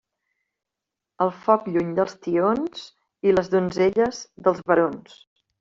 El foc, lluny dels tions, i les donzelles, dels barons.